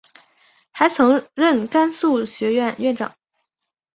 还曾任甘肃学院院长。